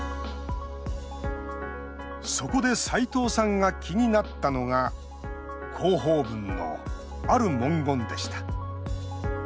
そこで斎藤さんが気になったのが広報文の、ある文言でした。